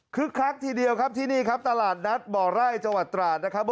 คลักทีเดียวครับที่นี่ครับตลาดนัดบ่อไร่จังหวัดตราดนะครับ